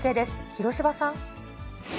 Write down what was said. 広芝さん。